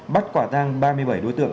bắt quả tăng ba mươi bảy đối tượng